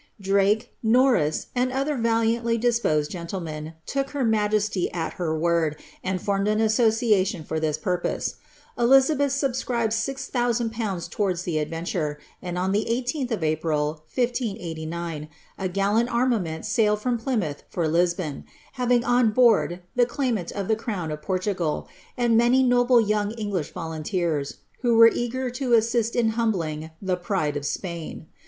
''' Drake, Norris, and other valiantly disposed gentlemen, took her ugesty at her word, and formed an association for this purpose. Eliza eth subscribed six thousand pounds towards the adventure, and on the Bth of April, 1589, a gallant armament sailed from Plymouth for Lis on, having on board the claimant of the crown of Portugal, and many oble young English volunteers, who were eager to assist in humbling le pride of Spain.